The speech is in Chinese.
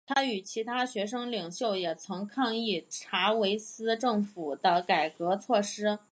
他与其他学生领袖也曾抗议查韦斯政府的改革措施。